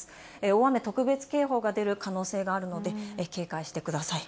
大雨特別警報が出る可能性があるので、警戒してください。